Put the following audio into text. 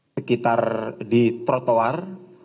sekitar di trotoar